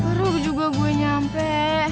perut juga gue nyampe